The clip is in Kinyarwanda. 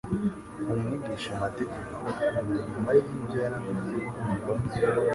Umwigishamategeko, na nyuma y'ibyo yari amaze kumva,